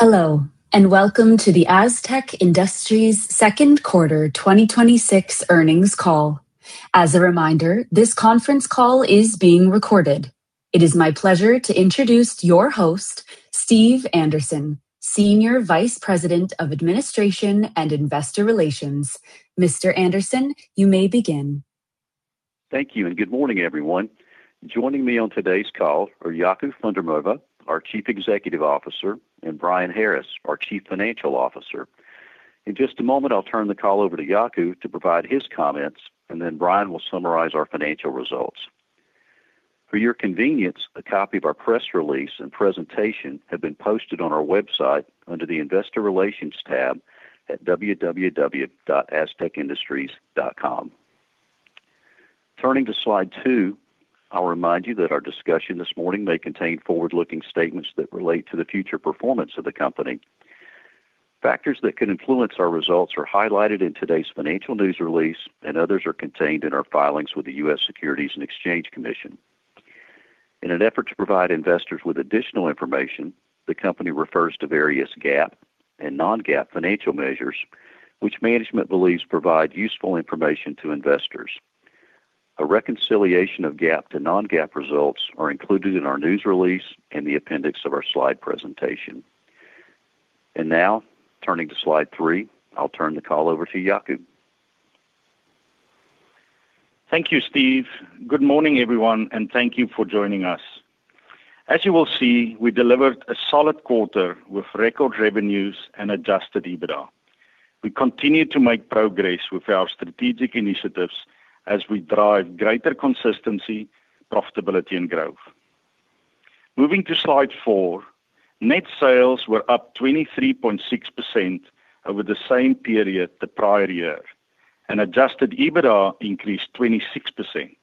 Hello, welcome to the Astec Industries second quarter 2026 earnings call. As a reminder, this conference call is being recorded. It is my pleasure to introduce your host, Steve Anderson, Senior Vice President of Administration and Investor Relations. Mr. Anderson, you may begin. Thank you, good morning, everyone. Joining me on today's call are Jaco van der Merwe, our Chief Executive Officer, and Brian Harris, our Chief Financial Officer. In just a moment, I'll turn the call over to Jaco to provide his comments, then Brian will summarize our financial results. For your convenience, a copy of our press release and presentation have been posted on our website under the investor relations tab at www.astecindustries.com. Turning to slide two, I'll remind you that our discussion this morning may contain forward-looking statements that relate to the future performance of the company. Factors that could influence our results are highlighted in today's financial news release, and others are contained in our filings with the U.S. Securities and Exchange Commission. In an effort to provide investors with additional information, the company refers to various GAAP and non-GAAP financial measures, which management believes provide useful information to investors. A reconciliation of GAAP to non-GAAP results are included in our news release and the appendix of our slide presentation. Now, turning to slide three, I'll turn the call over to Jaco. Thank you, Steve. Good morning, everyone, thank you for joining us. As you will see, we delivered a solid quarter with record revenues and adjusted EBITDA. We continue to make progress with our strategic initiatives as we drive greater consistency, profitability, and growth. Moving to slide four, net sales were up 23.6% over the same period the prior year, and adjusted EBITDA increased 26%.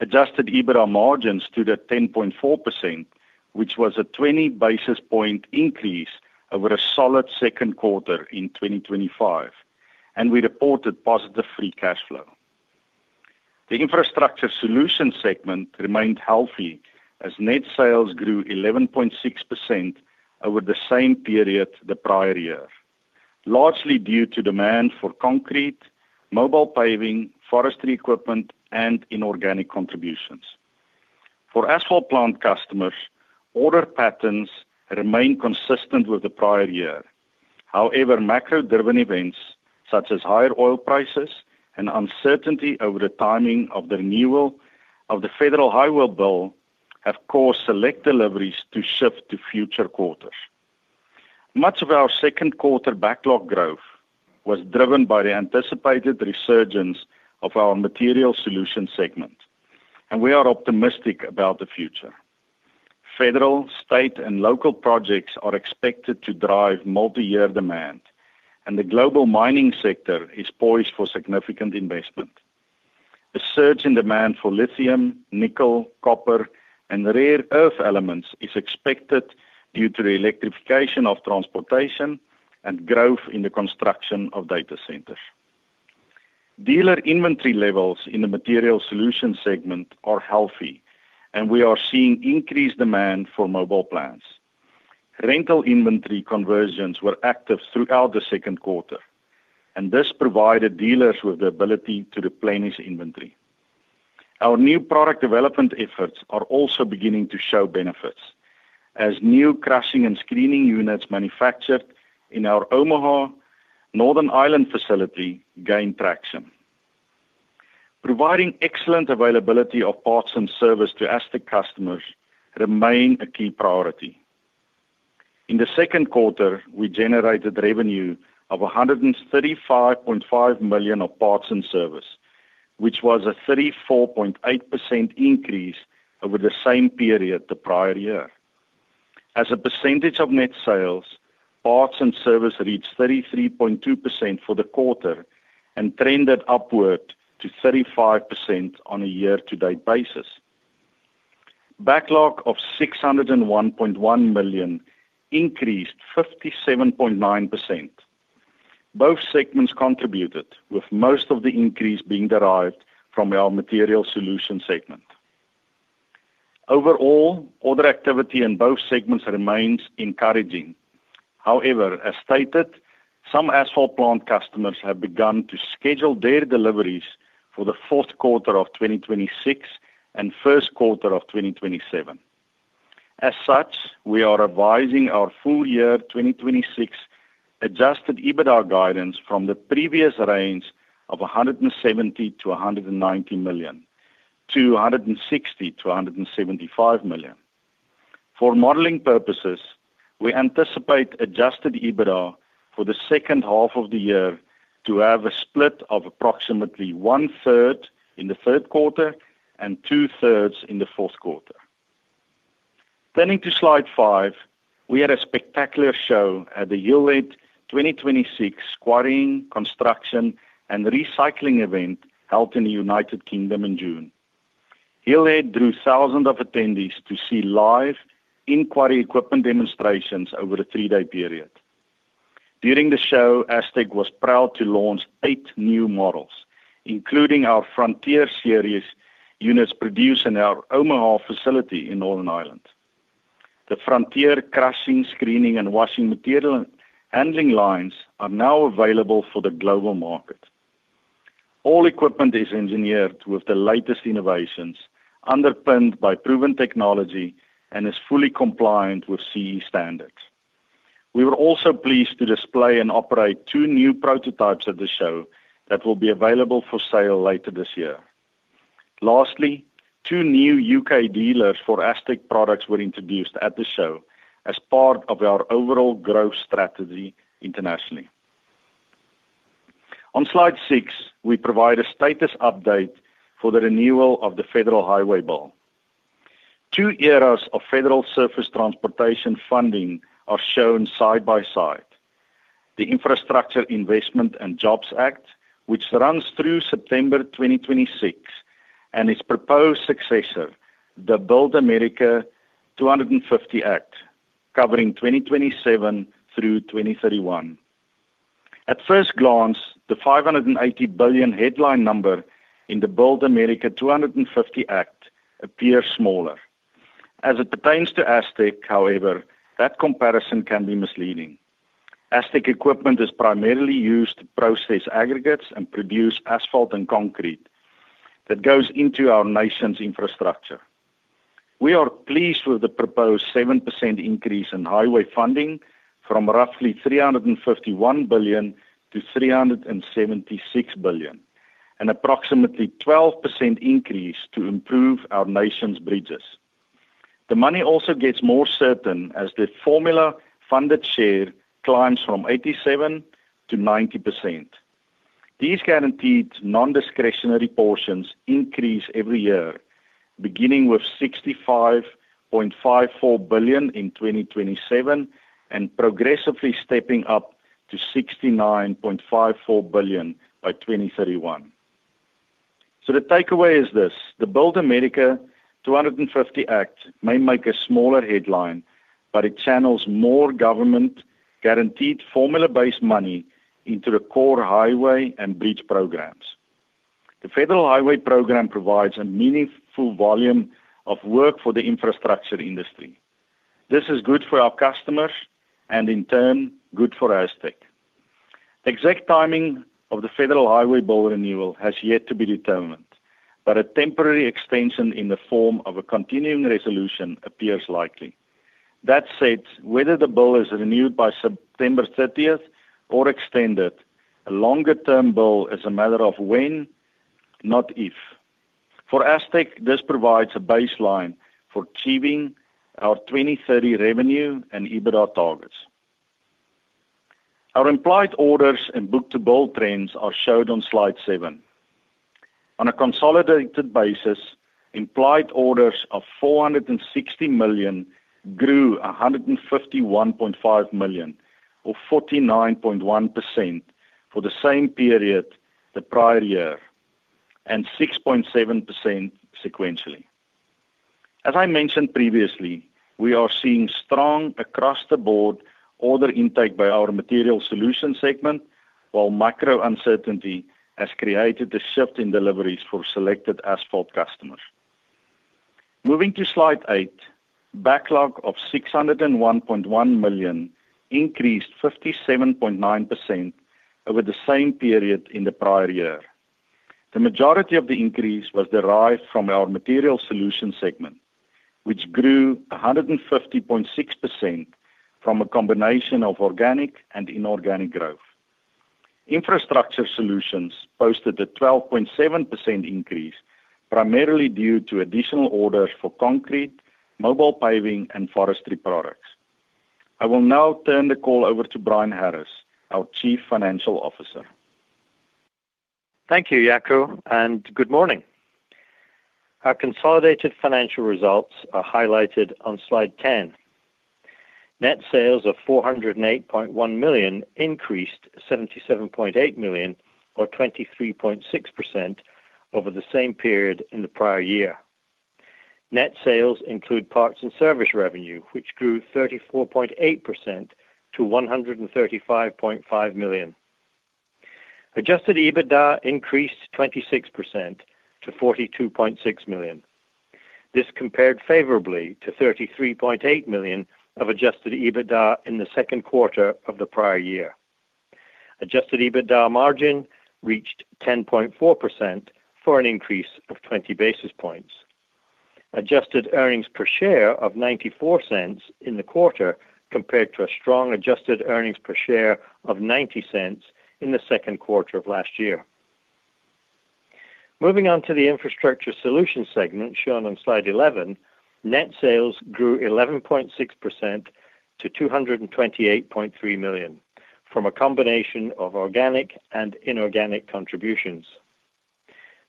Adjusted EBITDA margins stood at 10.4%, which was a 20 basis point increase over a solid second quarter in 2025, and we reported positive free cash flow. The Infrastructure Solutions segment remained healthy as net sales grew 11.6% over the same period the prior year, largely due to demand for concrete, mobile paving, forestry equipment, and inorganic contributions. For asphalt plant customers, order patterns remain consistent with the prior year. However, macro-driven events such as higher oil prices and uncertainty over the timing of the renewal of the Federal Highway Bill have caused select deliveries to shift to future quarters. Much of our second quarter backlog growth was driven by the anticipated resurgence of our Materials Solutions segment. We are optimistic about the future. Federal, state, and local projects are expected to drive multi-year demand. The global mining sector is poised for significant investment. A surge in demand for lithium, nickel, copper, and rare earth elements is expected due to the electrification of transportation and growth in the construction of data centers. Dealer inventory levels in the Materials Solutions segment are healthy, and we are seeing increased demand for mobile plants. Rental inventory conversions were active throughout the second quarter. This provided dealers with the ability to replenish inventory. Our new product development efforts are also beginning to show benefits as new crushing and screening units manufactured in our Omagh Northern Ireland facility gain traction. Providing excellent availability of parts and service to Astec customers remains a key priority. In the second quarter, we generated revenue of $135.5 million of parts and service, which was a 34.8% increase over the same period the prior year. As a percentage of net sales, parts and service reached 33.2% for the quarter and trended upward to 35% on a year-to-date basis. Backlog of $601.1 million increased 57.9%. Both segments contributed, with most of the increase being derived from our Materials Solutions segment. Overall, order activity in both segments remains encouraging. However, as stated, some asphalt plant customers have begun to schedule their deliveries for the fourth quarter of 2026 and first quarter of 2027. As such, we are revising our full year 2026 adjusted EBITDA guidance from the previous range of $170 million-$190 million to $160 million-$175 million. For modeling purposes, we anticipate adjusted EBITDA for the second half of the year to have a split of approximately one-third in the third quarter and two-thirds in the fourth quarter. Turning to slide five, we had a spectacular show at the Hillhead 2026 quarrying, construction, and recycling event held in the U.K. in June. Hillhead drew thousands of attendees to see live inquiry equipment demonstrations over a three-day period. During the show, Astec was proud to launch eight new models, including our Frontier series units produced in our Omagh facility in Northern Ireland. The Frontier crushing, screening, and washing material handling lines are now available for the global market. All equipment is engineered with the latest innovations, underpinned by proven technology, and is fully compliant with CE standards. We were also pleased to display and operate two new prototypes at the show that will be available for sale later this year. Lastly, two new U.K. dealers for Astec products were introduced at the show as part of our overall growth strategy internationally. On slide six, we provide a status update for the renewal of the Federal Highway Bill. Two eras of federal surface transportation funding are shown side by side. The Infrastructure Investment and Jobs Act, which runs through September 2026, and its proposed successor, the BUILD America 250 Act, covering 2027 through 2031. At first glance, the $580 billion headline number in the BUILD America 250 Act appears smaller. As it pertains to Astec, however, that comparison can be misleading. Astec equipment is primarily used to process aggregates and produce asphalt and concrete that goes into our nation's infrastructure. We are pleased with the proposed 7% increase in highway funding from roughly $351 billion to $376 billion, an approximately 12% increase to improve our nation's bridges. The money also gets more certain as the formula funded share climbs from 87% to 90%. These guaranteed non-discretionary portions increase every year, beginning with $65.54 billion in 2027 and progressively stepping up to $69.54 billion by 2031. The takeaway is this. The BUILD America 250 Act may make a smaller headline, but it channels more government guaranteed formula-based money into the core highway and bridge programs. The Federal Highway Program provides a meaningful volume of work for the infrastructure industry. This is good for our customers and, in turn, good for Astec. Exact timing of the Federal Highway Bill renewal has yet to be determined, but a temporary extension in the form of a continuing resolution appears likely. That said, whether the bill is renewed by September 30th or extended, a longer-term bill is a matter of when, not if. For Astec, this provides a baseline for achieving our 2030 revenue and EBITDA targets. Our implied orders and book-to-bill trends are showed on slide seven. On a consolidated basis, implied orders of $460 million grew $151.5 million or 49.1% for the same period the prior year and 6.7% sequentially. As I mentioned previously, we are seeing strong across-the-board order intake by our Materials Solutions segment, while macro uncertainty has created a shift in deliveries for selected asphalt customers. Moving to slide eight, backlog of $601.1 million increased 57.9% over the same period in the prior year. The majority of the increase was derived from our Materials Solutions segment, which grew 150.6% from a combination of organic and inorganic growth. Infrastructure Solutions posted a 12.7% increase, primarily due to additional orders for concrete, mobile paving, and forestry products. I will now turn the call over to Brian Harris, our Chief Financial Officer. Thank you, Jaco, and good morning. Our consolidated financial results are highlighted on slide 10. Net sales of $408.1 million increased $77.8 million or 23.6% over the same period in the prior year. Net sales include parts and service revenue, which grew 34.8% to $135.5 million. Adjusted EBITDA increased 26% to $42.6 million. This compared favorably to $33.8 million of adjusted EBITDA in the second quarter of the prior year. Adjusted EBITDA margin reached 10.4% for an increase of 20 basis points. Adjusted earnings per share of $0.94 in the quarter compared to a strong adjusted earnings per share of $0.90 in the second quarter of last year. Moving on to the Infrastructure Solutions segment shown on slide 11, net sales grew 11.6% to $228.3 million from a combination of organic and inorganic contributions.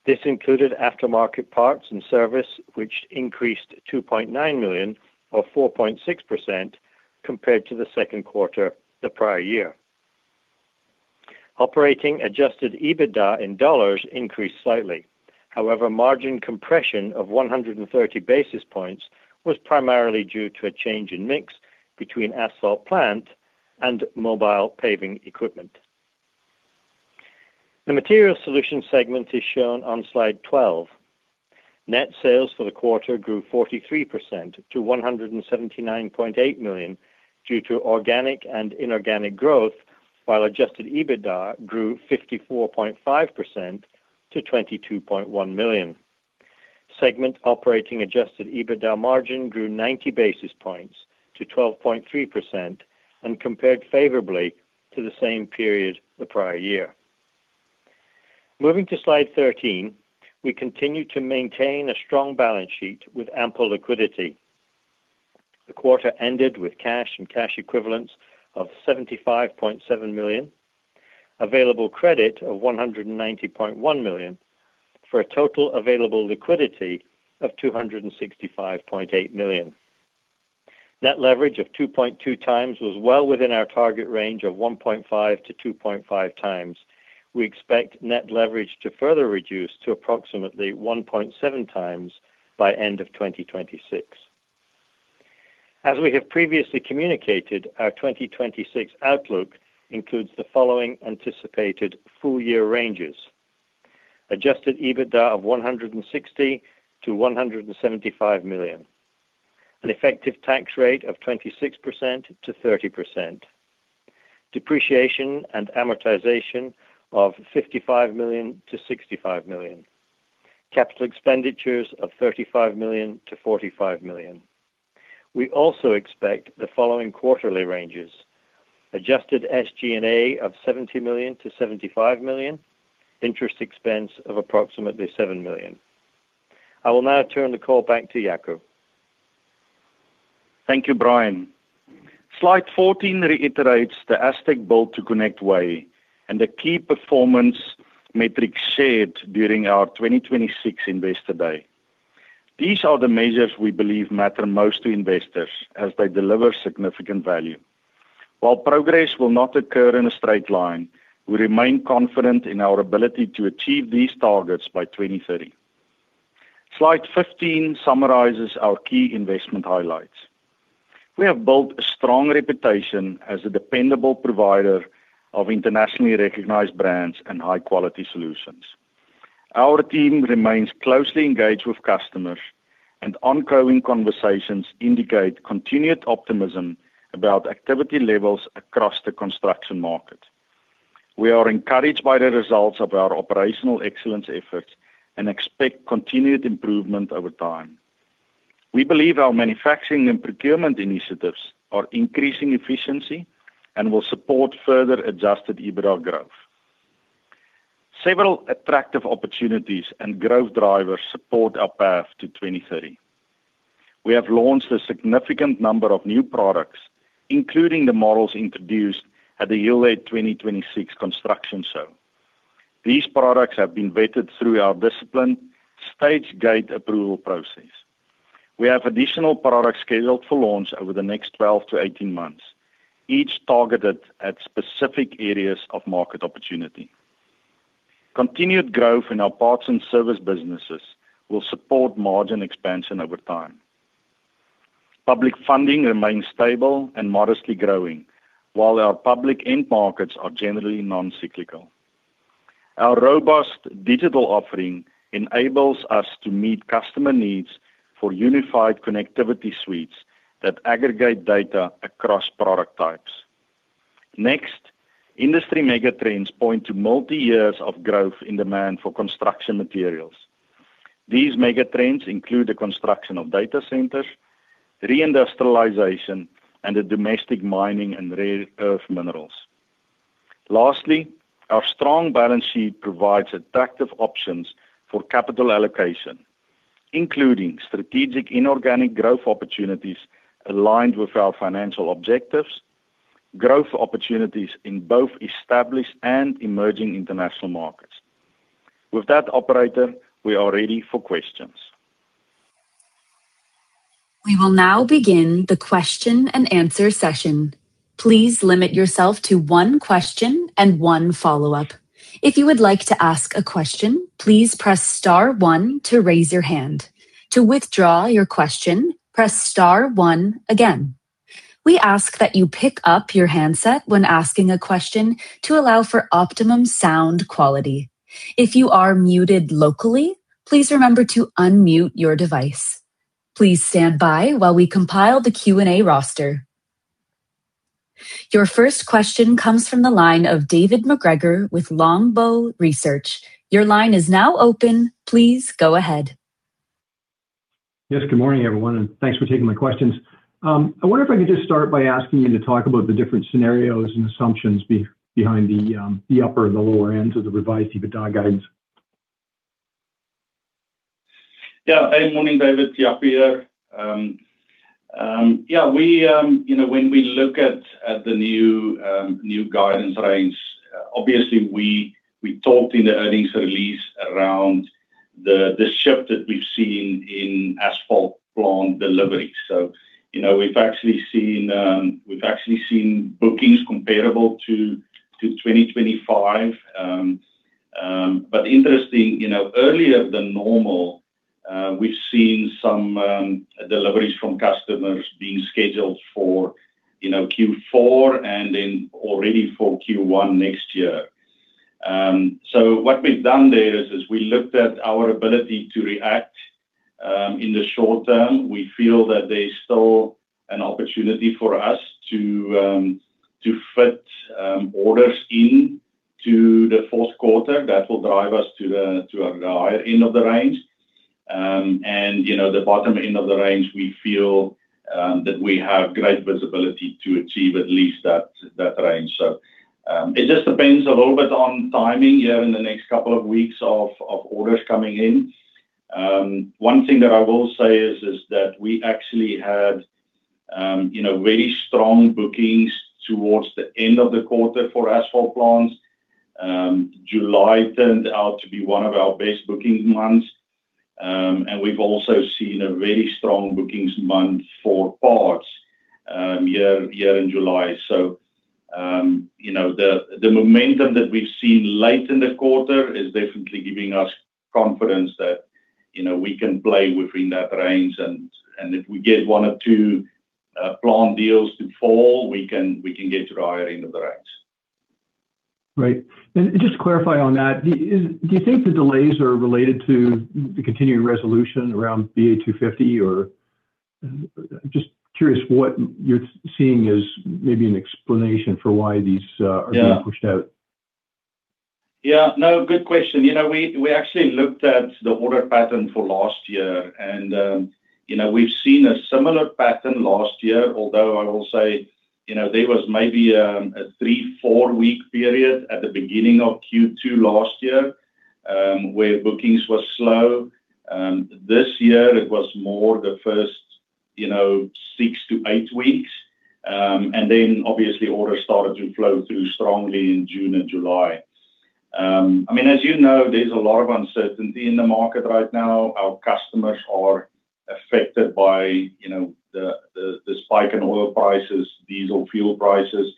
This included aftermarket parts and service, which increased $2.9 million or 4.6% compared to the second quarter the prior year. Operating adjusted EBITDA in dollars increased slightly. However, margin compression of 130 basis points was primarily due to a change in mix between asphalt plant and mobile paving equipment. The Materials Solutions segment is shown on slide 12. Net sales for the quarter grew 43% to $179.8 million due to organic and inorganic growth, while adjusted EBITDA grew 54.5% to $22.1 million. Segment operating adjusted EBITDA margin grew 90 basis points to 12.3% and compared favorably to the same period the prior year. Moving to slide 13, we continue to maintain a strong balance sheet with ample liquidity. The quarter ended with cash and cash equivalents of $75.7 million, available credit of $190.1 million, for a total available liquidity of $265.8 million. Net leverage of 2.2 times was well within our target range of 1.5 times-2.5 times. We expect net leverage to further reduce to approximately 1.7 times by end of 2026. As we have previously communicated, our 2026 outlook includes the following anticipated full year ranges. Adjusted EBITDA of $160 million-$175 million, an effective tax rate of 26%-30%, depreciation and amortization of $55 million-$65 million, capital expenditures of $35 million-$45 million. We also expect the following quarterly ranges. Adjusted SG&A of $70 million-$75 million, interest expense of approximately $7 million. I will now turn the call back to Jaco. Thank you, Brian. Slide 14 reiterates the Astec Built to Connect way and the key performance metrics shared during our 2026 Investor Day. These are the measures we believe matter most to investors as they deliver significant value. While progress will not occur in a straight line, we remain confident in our ability to achieve these targets by 2030. Slide 15 summarizes our key investment highlights. We have built a strong reputation as a dependable provider of internationally recognized brands and high-quality solutions. Our team remains closely engaged with customers, and ongoing conversations indicate continued optimism about activity levels across the construction market. We are encouraged by the results of our operational excellence efforts and expect continued improvement over time. We believe our manufacturing and procurement initiatives are increasing efficiency and will support further adjusted EBITDA growth. Several attractive opportunities and growth drivers support our path to 2030. We have launched a significant number of new products, including the models introduced at the Hillhead 2026. These products have been vetted through our disciplined stage gate approval process. We have additional products scheduled for launch over the next 12 months-18 months, each targeted at specific areas of market opportunity. Continued growth in our parts and service businesses will support margin expansion over time. Public funding remains stable and modestly growing, while our public end markets are generally non-cyclical. Our robust digital offering enables us to meet customer needs for unified connectivity suites that aggregate data across product types. Industry mega trends point to multi-years of growth in demand for construction materials. These mega trends include the construction of data centers, reindustrialization, and the domestic mining and rare earth minerals. Lastly, our strong balance sheet provides attractive options for capital allocation, including strategic inorganic growth opportunities aligned with our financial objectives, growth opportunities in both established and emerging international markets. With that, operator, we are ready for questions. We will now begin the question and answer session. Please limit yourself to one question and one follow-up. If you would like to ask a question, please press star one to raise your hand. To withdraw your question, press star one again. We ask that you pick up your handset when asking a question to allow for optimum sound quality. If you are muted locally, please remember to unmute your device. Please stand by while we compile the Q&A roster. Your first question comes from the line of David MacGregor with Longbow Research. Your line is now open. Please go ahead. Yes, good morning, everyone. Thanks for taking my questions. I wonder if I could just start by asking you to talk about the different scenarios and assumptions behind the upper and the lower ends of the revised EBITDA guidance. Yeah. Morning, David. Jaco here. When we look at the new guidance range, obviously, we talked in the earnings release around the shift that we've seen in asphalt plant delivery. We've actually seen bookings comparable to 2025. Interesting, earlier than normal, we've seen some deliveries from customers being scheduled for Q4, and then already for Q1 next year. What we've done there is, we looked at our ability to react in the short term. We feel that there's still an opportunity for us to fit orders into the fourth quarter that will drive us to a higher end of the range. The bottom end of the range, we feel, that we have great visibility to achieve at least that range. It just depends a little bit on timing here in the next couple of weeks of orders coming in. One thing that I will say is that we actually had very strong bookings towards the end of the quarter for asphalt plants. July turned out to be one of our best booking months. We've also seen a very strong bookings month for parts here in July. The momentum that we've seen late in the quarter is definitely giving us confidence that we can play within that range and if we get one or two plant deals in fall, we can get to the higher end of the range. Right. Just to clarify on that, do you think the delays are related to the continued resolution around BA250? Just curious what you're seeing as maybe an explanation for why these are- Yeah being pushed out. Yeah, no, good question. We actually looked at the order pattern for last year, and we've seen a similar pattern last year, although I will say, there was maybe a three, four-week period at the beginning of Q2 last year, where bookings were slow. This year it was more the first six to eight weeks. Obviously orders started to flow through strongly in June and July. As you know, there's a lot of uncertainty in the market right now. Our customers are affected by the spike in oil prices, diesel fuel prices.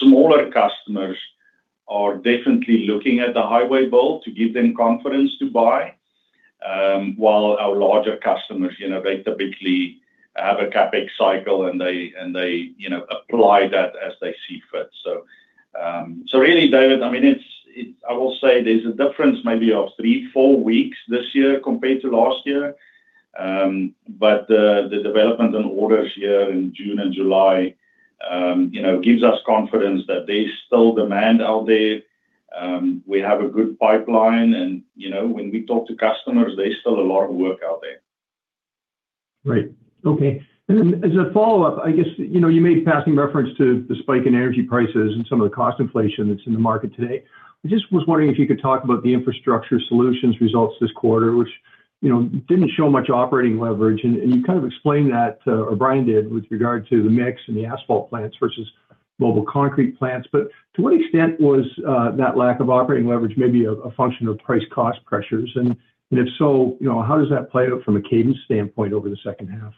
Smaller customers are definitely looking at the Highway Bill to give them confidence to buy, while our larger customers basically have a CapEx cycle and they apply that as they see fit. Really, David, I will say there's a difference maybe of three, four weeks this year compared to last year. The development in orders here in June and July gives us confidence that there's still demand out there. We have a good pipeline and when we talk to customers, there's still a lot of work out there. Great. Okay. As a follow-up, you made passing reference to the spike in energy prices and some of the cost inflation that's in the market today. I just was wondering if you could talk about the Infrastructure Solutions results this quarter, which didn't show much operating leverage, and you kind of explained that, or Brian did, with regard to the mix and the asphalt plants versus mobile concrete plants. To what extent was that lack of operating leverage maybe a function of price cost pressures, and if so, how does that play out from a cadence standpoint over the second half?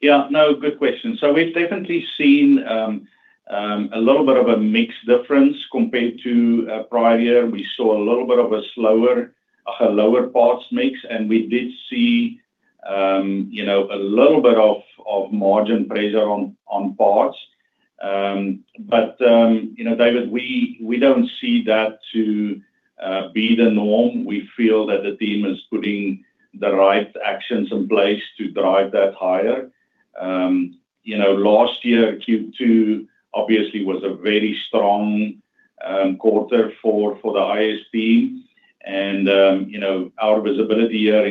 Yeah. No, good question. We've definitely seen a little bit of a mix difference compared to prior year. We saw a little bit of a lower parts mix, and we did see a little bit of margin pressure on parts. David, we don't see that to be the norm. We feel that the team is putting the right actions in place to drive that higher. Last year, Q2 obviously was a very strong quarter for the IS, and our visibility here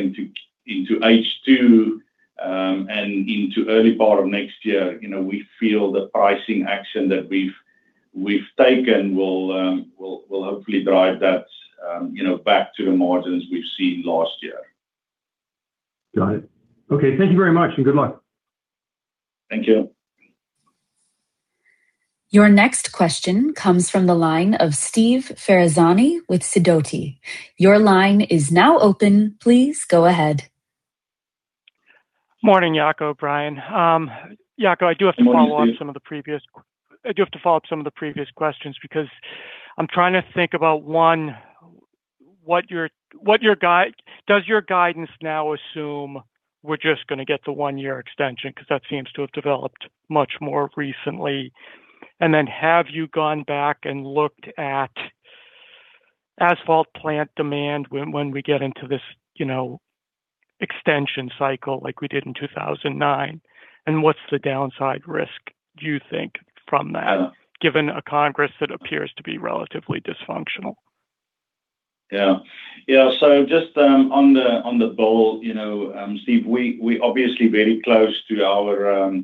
into H2, and into early part of next year, we feel the pricing action that we've taken will hopefully drive that back to the margins we've seen last year. Got it. Okay. Thank you very much, and good luck. Thank you. Your next question comes from the line of Steve Ferazani with Sidoti. Your line is now open. Please go ahead. Morning, Jaco, Brian. Morning, Steve. Jaco, I do have to follow up some of the previous questions because I'm trying to think about, one, does your guidance now assume we're just going to get the one-year extension because that seems to have developed much more recently. Have you gone back and looked at asphalt plant demand when we get into this extension cycle like we did in 2009, and what's the downside risk do you think from that, given a Congress that appears to be relatively dysfunctional? Just, on the bill, Steve, we're obviously very close to our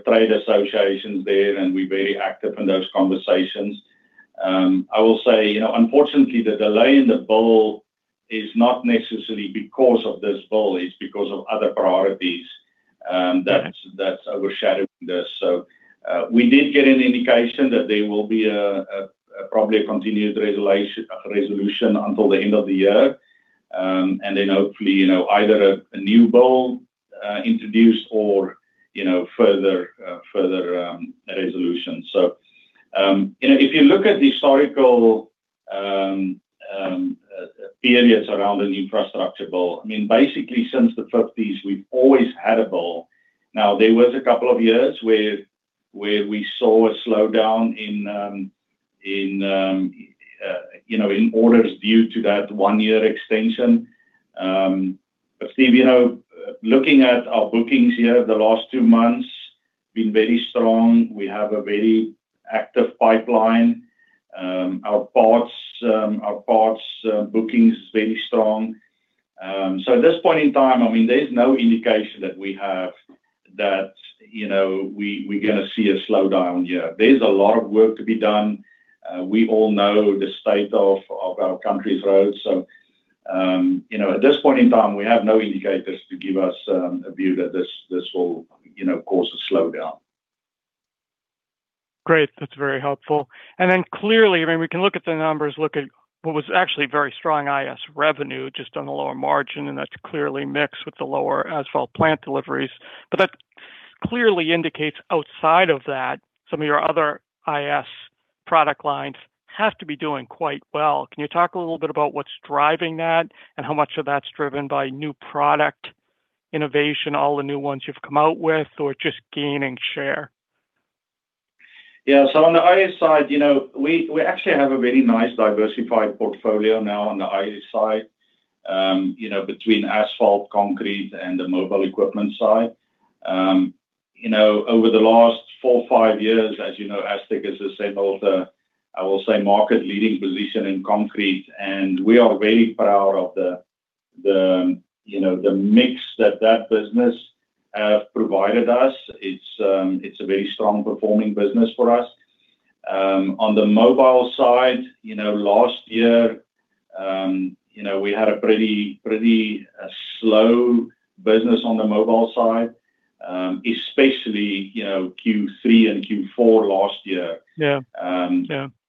trade associations there, and we're very active in those conversations. I will say, unfortunately, the delay in the bill is not necessarily because of this bill, it's because of other priorities that's overshadowing this. We did get an indication that there will be probably a continued resolution until the end of the year. Hopefully, either a new bill introduced or further resolution. If you look at the historical periods around an infrastructure bill, basically since the '50s, we've always had a bill. Now, there was a couple of years where we saw a slowdown in orders due to that one-year extension. Steve, looking at our bookings here the last two months, been very strong. We have a very active pipeline. Our parts bookings is very strong. At this point in time, there's no indication that we have that we're going to see a slowdown here. There's a lot of work to be done. We all know the state of our country's roads. At this point in time, we have no indicators to give us a view that this will cause a slowdown. Great. That's very helpful. Clearly, we can look at the numbers, look at what was actually very strong IS revenue, just on the lower margin, and that's clearly mixed with the lower asphalt plant deliveries. That clearly indicates outside of that, some of your other IS product lines have to be doing quite well. Can you talk a little bit about what's driving that and how much of that's driven by new product innovation, all the new ones you've come out with, or just gaining share? On the IS side, we actually have a very nice diversified portfolio now on the IS side between asphalt, concrete, and the mobile equipment side. Over the last four, five years, as you know, Astec has assembled, I will say, market-leading position in concrete, and we are very proud of the mix that that business has provided us. It's a very strong performing business for us. On the mobile side, last year we had a pretty slow business on the mobile side. Especially, Q3 and Q4 last year. Yeah.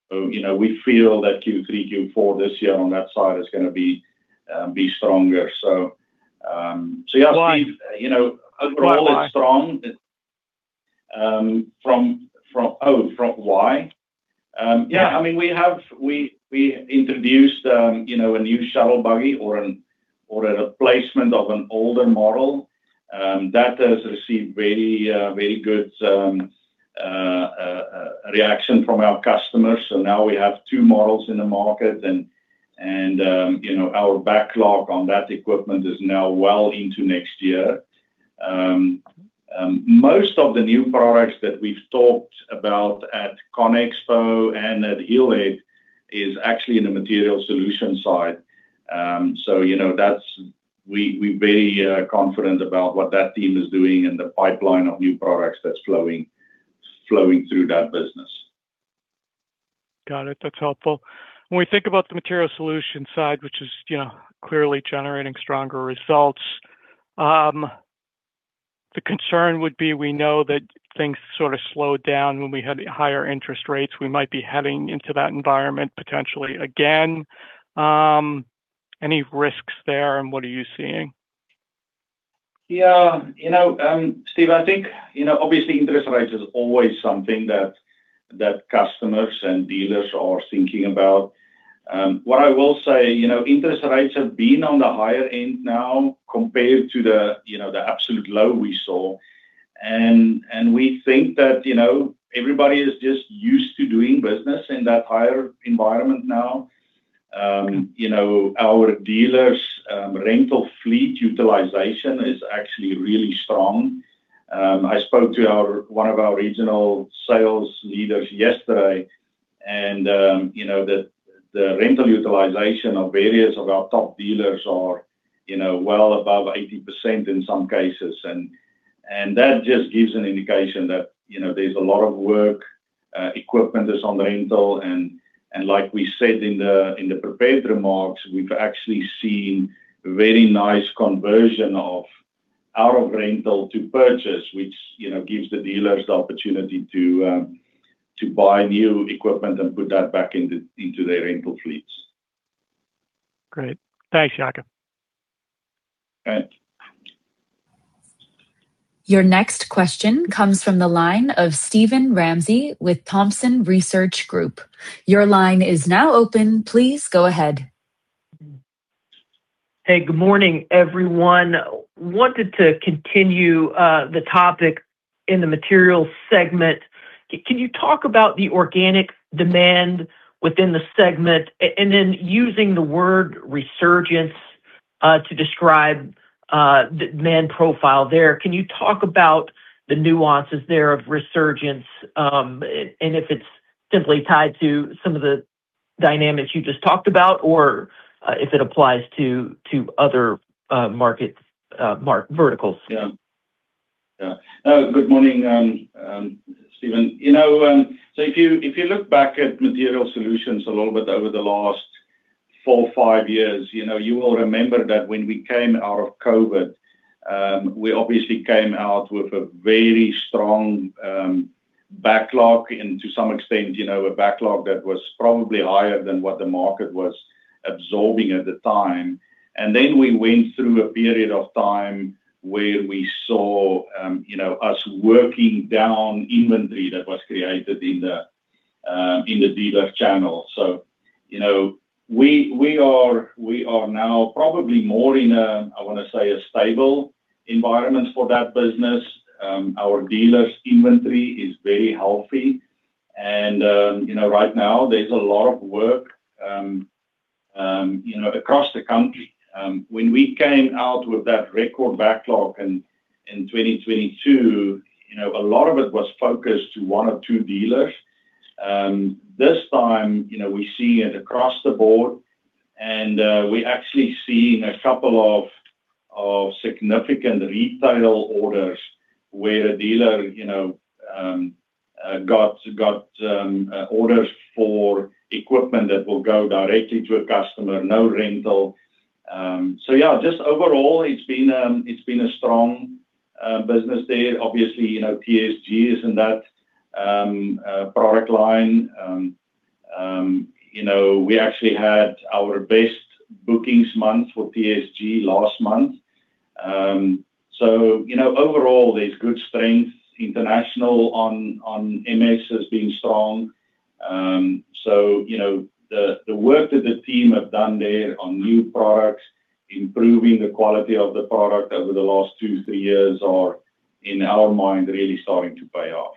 We feel that Q3, Q4 this year on that side is going to be stronger. Yeah, Steve- Why? Overall, it's strong. From why? Yeah. We introduced a new Shuttle Buggy or a replacement of an older model. That has received very good reaction from our customers. Now we have two models in the market and our backlog on that equipment is now well into next year. Most of the new products that we've talked about at Conexpo and at Hillhead is actually in the Materials Solutions side. We're very confident about what that team is doing and the pipeline of new products that's flowing through that business. Got it. That's helpful. When we think about the Materials Solutions side, which is clearly generating stronger results, the concern would be we know that things sort of slowed down when we had higher interest rates. We might be heading into that environment potentially again. Any risks there, and what are you seeing? Yeah. Steve, I think, obviously, interest rates is always something that customers and dealers are thinking about. What I will say, interest rates have been on the higher end now compared to the absolute low we saw, and we think that everybody is just used to doing business in that higher environment now. Our dealers' rental fleet utilization is actually really strong. I spoke to one of our regional sales leaders yesterday, and the rental utilization of various of our top dealers are well above 80% in some cases. That just gives an indication that there's a lot of work. Equipment is on rental, like we said in the prepared remarks, we've actually seen very nice conversion of out of rental to purchase, which gives the dealers the opportunity to buy new equipment and put that back into their rental fleets. Great. Thanks, Jaco All right. Your next question comes from the line of Steven Ramsey with Thompson Research Group. Your line is now open. Please go ahead. Hey, good morning, everyone. Wanted to continue the topic in the materials segment. Can you talk about the organic demand within the segment? Then using the word resurgent to describe demand profile there, can you talk about the nuances there of resurgent? If it applies to other market verticals? Yeah. Good morning, Steven. If you look back at Materials Solutions a little bit over the last four, five years. You will remember that when we came out of COVID, we obviously came out with a very strong backlog and to some extent, a backlog that was probably higher than what the market was absorbing at the time. Then we went through a period of time where we saw us working down inventory that was created in the dealer channel. We are now probably more in a, I want to say, a stable environment for that business. Our dealers' inventory is very healthy and right now there's a lot of work across the country. When we came out with that record backlog in 2022, a lot of it was focused to one or two dealers. This time, we see it across the board, and we actually seen a couple of significant retail orders where a dealer got orders for equipment that will go directly to a customer, no rental. Yeah, just overall, it's been a strong business there. Obviously, TSG is in that product line. We actually had our best bookings month for TSG last month. Overall, there's good strength. International on MS has been strong. The work that the team have done there on new products, improving the quality of the product over the last two, three years are, in our mind, really starting to pay off.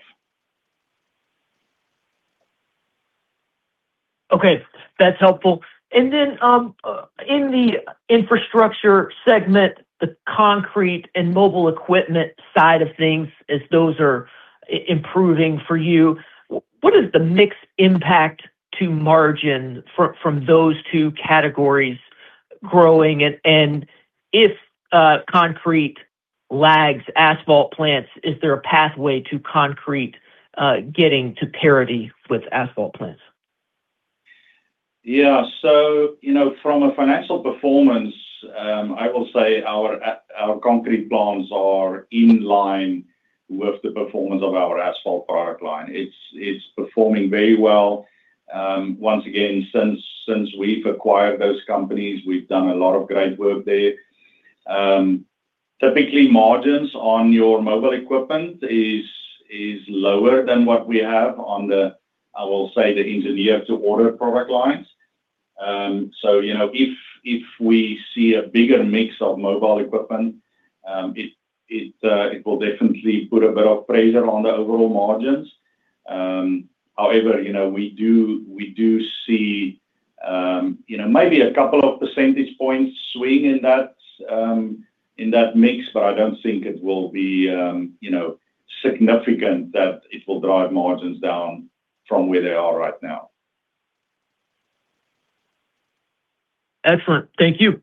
Okay. That's helpful. Then, in the Infrastructure Solutions segment, the concrete and mobile equipment side of things, as those are improving for you, what is the mixed impact to margin from those two categories growing? If concrete lags asphalt plants, is there a pathway to concrete getting to parity with asphalt plants? Yeah. From a financial performance, I will say our concrete plants are in line with the performance of our asphalt product line. It's performing very well. Once again, since we've acquired those companies, we've done a lot of great work there. Typically, margins on your mobile equipment is lower than what we have on the, I will say, the engineer to order product lines. If we see a bigger mix of mobile equipment, it will definitely put a bit of pressure on the overall margins. However, we do see maybe a couple of percentage points swing in that mix, but I don't think it will be significant that it will drive margins down from where they are right now. Excellent. Thank you.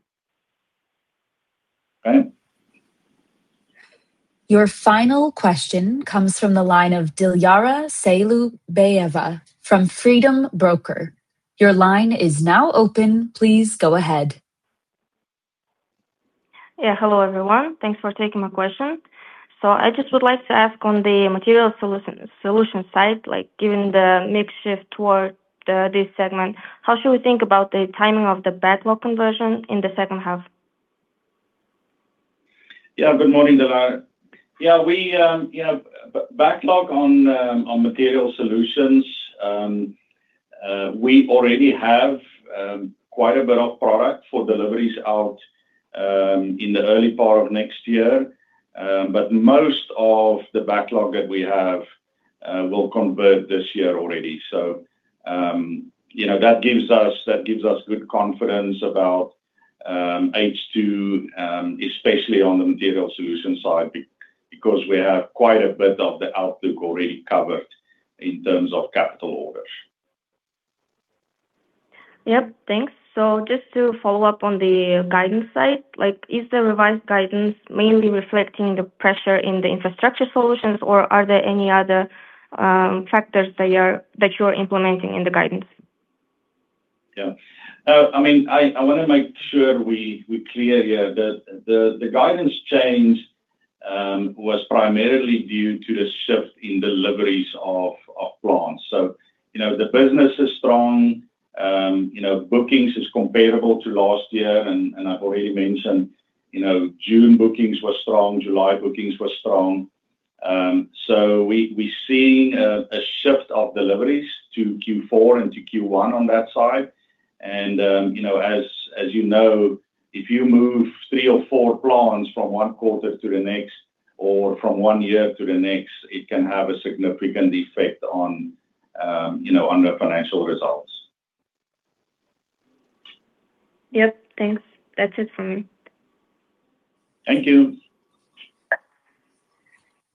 Okay. Your final question comes from the line of Dilyara Sailaubayeva from Freedom Broker. Your line is now open. Please go ahead. Hello, everyone. Thanks for taking my question. I just would like to ask on the Materials Solutions side, given the mix shift toward this segment, how should we think about the timing of the backlog conversion in the second half? Good morning, Dilyara. Backlog on Materials Solutions, we already have quite a bit of product for deliveries out in the early part of next year. Most of the backlog that we have will convert this year already. That gives us good confidence about H2, especially on the Materials Solutions side, because we have quite a bit of the outlook already covered in terms of capital orders. Yep. Thanks. Just to follow up on the guidance side, is the revised guidance mainly reflecting the pressure in the Infrastructure Solutions, or are there any other factors that you're implementing in the guidance? I want to make sure we're clear here that the guidance change was primarily due to the shift in deliveries of plants. The business is strong. Bookings is comparable to last year, and I've already mentioned June bookings were strong, July bookings were strong. We're seeing a shift of deliveries to Q4 and to Q1 on that side. As you know, if you move three or four plants from one quarter to the next or from one year to the next, it can have a significant effect on the financial results. Yep. Thanks. That's it from me. Thank you.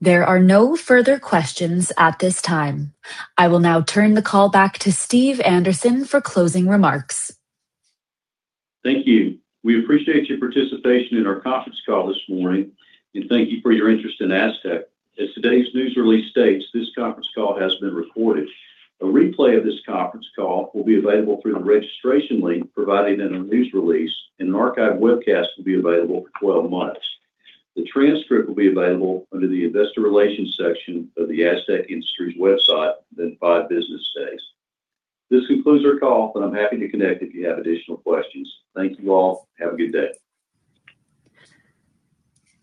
There are no further questions at this time. I will now turn the call back to Steve Anderson for closing remarks. Thank you. We appreciate your participation in our conference call this morning, and thank you for your interest in Astec. As today's news release states, this conference call has been recorded. A replay of this conference call will be available through the registration link provided in our news release, and an archive webcast will be available for 12 months. The transcript will be available under the Investor Relations section of the Astec Industries website within five business days. This concludes our call, and I'm happy to connect if you have additional questions. Thank you all. Have a good day.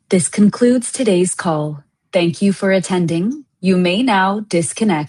This concludes today's call. Thank you for attending. You may now disconnect.